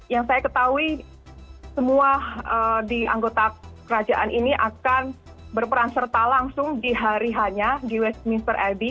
yang saya ketahui semua di anggota kerajaan ini akan berperan serta langsung di hari hanya di westminster abbey